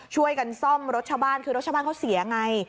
ช่วยกันซ่อมรถชาวบ้านคือรถชาวบ้านเขาเสียไง